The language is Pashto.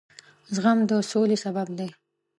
زغم د سولې سبب دی.